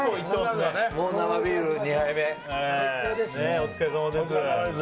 お疲れさまです。